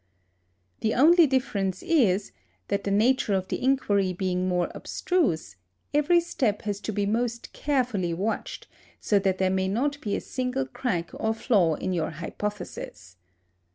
The only difference is, that the nature of the inquiry being more abstruse, every step has to be most carefully watched, so that there may not be a single crack or flaw in your hypothesis.